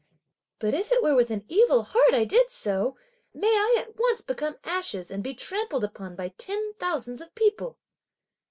But if it were with an evil heart I did so, may I at once become ashes, and be trampled upon by ten thousands of people!"